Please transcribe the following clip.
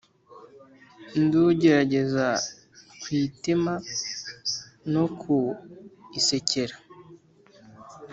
Ndugerageza ku itema no ku isekera,